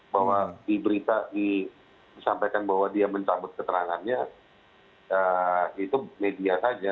bahwa di berita disampaikan bahwa dia mencabut keterangannya itu media saja